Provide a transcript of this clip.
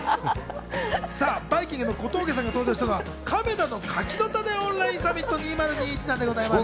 バイきんぐの小峠さんが登場したのは亀田の柿の種オンラインサミット２０２１なんです。